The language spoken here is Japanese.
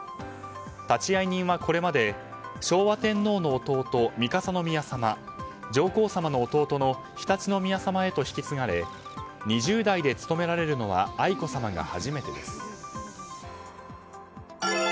立会人はこれまで昭和天皇の弟・三笠宮さま上皇さまの弟の常陸宮さまへと引き継がれ２０代で務められるのは愛子さまが初めてです。